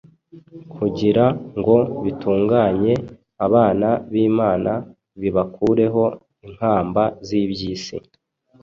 kugira ngo bitunganye abana b’imana bibakureho inkamba z’iby’isi.